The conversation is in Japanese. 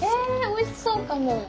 おいしそうかも。